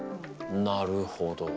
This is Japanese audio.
なるほど。